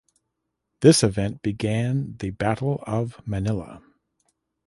This event began the Battle of Manilla.